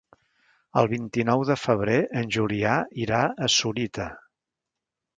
El vint-i-nou de febrer en Julià irà a Sorita.